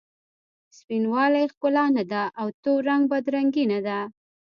سپین والې ښکلا نه ده او تور رنګ بد رنګي نه ده.